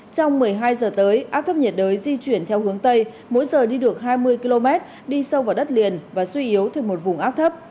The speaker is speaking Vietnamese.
trong một mươi hai giờ tới áp thấp nhiệt đới di chuyển theo hướng tây mỗi giờ đi được hai mươi km đi sâu vào đất liền và suy yếu thêm một vùng áp thấp